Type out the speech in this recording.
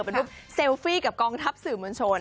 เป็นรูปเซลฟี่กับกองทัพสื่อมวลชน